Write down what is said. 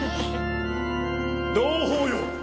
同胞よ！